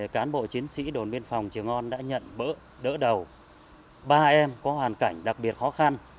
hai nghìn một mươi sáu hai nghìn một mươi bảy cán bộ chiến sĩ đồn biên phòng trường on đã nhận đỡ đầu ba em có hoàn cảnh đặc biệt khó khăn